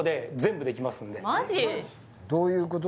どういうこと？